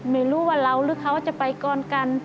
ไม่รู้ว่าเราหรือเขาจะไปก่อนกัน